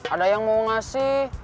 ada yang mau ngasih